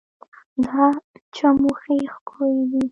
دا چموښي ښکي دي